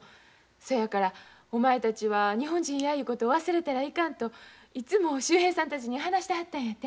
そやからお前たちは日本人やいうこと忘れたらいかんといつも秀平さんたちに話してはったんやて。